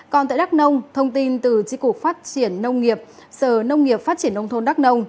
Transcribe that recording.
còn tại đắk nông thông tin từ tri cục phát triển nông nghiệp sở nông nghiệp phát triển nông thôn đắk nông